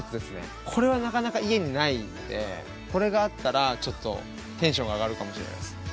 これはなかなか家にないのでこれがあったらちょっとテンションが上がるかもしれないです。